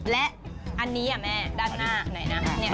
และอันนี้แม่ด้านหน้าไหนนะ